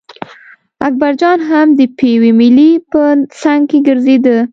اکبرجان هم د پېوې مېلې په څنګ کې ګرځېده.